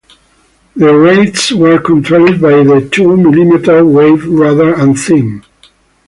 The arrays were controlled by two millimeter-wave radar antennae.